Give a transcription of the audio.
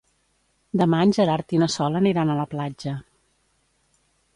Demà en Gerard i na Sol aniran a la platja.